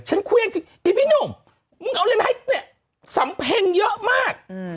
ฉันเควียงไอ้พี่หนุ่มมึงเอาเลยไหมสำเพ็งเยอะมาก